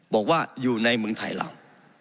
บอกว่าอยู่ในเมืองไทยเรา